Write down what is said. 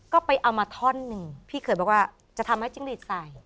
ก็ไปเอามาท่อนหนึ่งพี่เคยบอกว่าจะทำให้จิ้งหลีดใส่